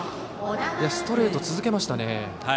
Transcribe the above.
ストレートを続けましたね。